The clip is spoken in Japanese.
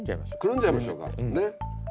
くるんじゃいましょうかね。